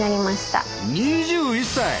２１歳！